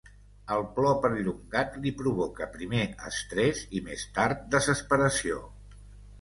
El plor perllongat li provoca primer estrès, i més tard desesperació.